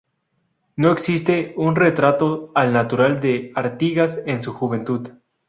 No existe un retrato al natural de Artigas en su juventud.